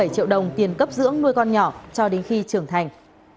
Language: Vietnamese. một trăm ba mươi bảy triệu đồng tiền cấp dưỡng nuôi con nhỏ cho đến khi trưởng thành